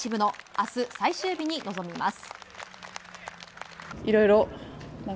明日、最終日に臨みます。